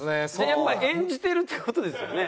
やっぱり演じてるという事ですよね。